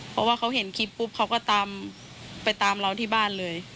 เพราะว่าเขาเห็นคลิปปุ๊บเขาก็ตามไปตามเราที่บ้านเลย